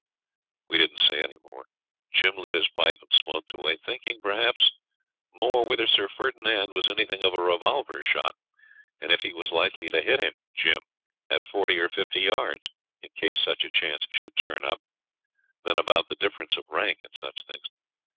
We didn't say any more. Jim lit his pipe and smoked away, thinking, perhaps, more whether Sir Ferdinand was anything of a revolver shot, and if he was likely to hit him (Jim) at forty or fifty yards, in case such a chance should turn up, than about the difference of rank and such things.